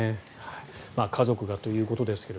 家族がということですが。